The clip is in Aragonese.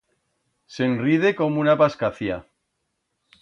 Se'n ride como una pascacia.